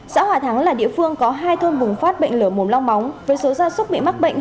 xã hòa thắng là địa phương có hai thôn bùng phát bệnh lở mồm long móng với số gia súc bị mắc bệnh